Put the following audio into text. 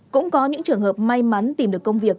cũng có những trường hợp may mắn tìm được công việc